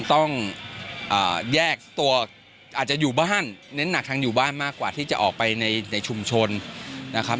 ต้องแยกตัวอาจจะอยู่บ้านเน้นหนักทางอยู่บ้านมากกว่าที่จะออกไปในชุมชนนะครับ